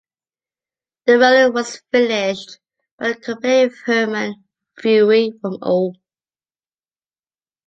The railing was finished by the company Hermann Vieweg from Aue.